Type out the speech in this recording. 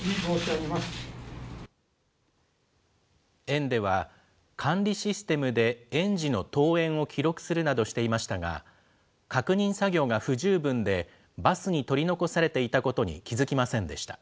園では、管理システムで園児の登園を記録するなどしていましたが、確認作業が不十分で、バスに取り残されていたことに気付きませんでした。